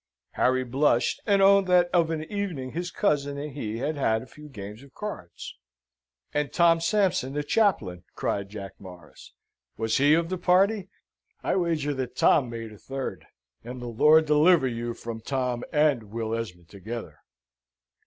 Harry blushed, and owned that of an evening his cousin and he had had a few games at cards. "And Tom Sampson, the chaplain," cried Jack Morris, "was he of the party? I wager that Tom made a third, and the Lord deliver you from Tom and Will Esmond together!"